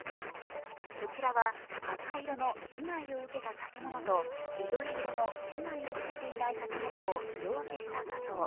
こちらは赤色の被害を受けた建物と緑色の被害を受けていない建物を色分けした画像。